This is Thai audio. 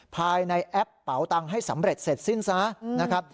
ภายในแอปเป่าตังค์ให้สำเร็จเสร็จสิ้นซ้า